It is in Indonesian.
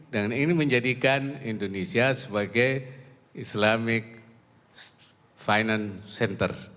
dan ini menjadikan indonesia sebagai islamic finance center